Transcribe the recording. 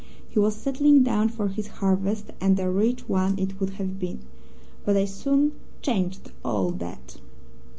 He was settling down for his harvest, and a rich one it would have been. But I soon changed all that.